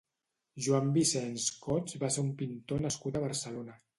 Joan Vicens Cots va ser un pintor nascut a Barcelona.